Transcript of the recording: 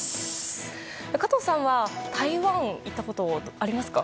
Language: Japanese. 加藤さんは、台湾行ったこと、ありますか？